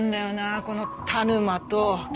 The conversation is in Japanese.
この田沼と桐山。